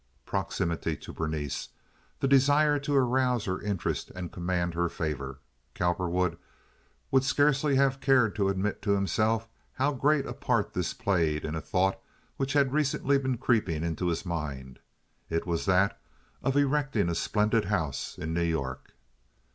Proximity to Berenice! The desire to arouse her interest and command her favor! Cowperwood would scarcely have cared to admit to himself how great a part this played in a thought which had recently been creeping into his mind. It was that of erecting a splendid house in New York.